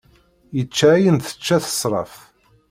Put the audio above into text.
Yečča ayen tečča tesraft.